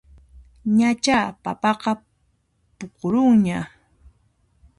Ñachá papaqa puqurunña